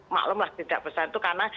maklumlah tidak bersatu karena